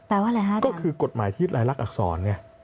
แปลว่าอะไรฮะอาจารย์ก็คือกฎหมายที่ยึดรายลักษณ์อักษรไง